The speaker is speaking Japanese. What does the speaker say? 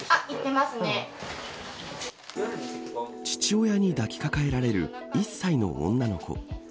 父親に抱き抱えられる１歳の女の子。